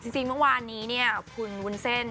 จริงเมื่อวานนี้เนี่ยคุณวุ้นเส้น